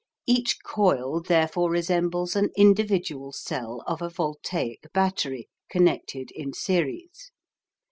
Each coil therefore resembles an individual cell of a voltaic battery, connected in series.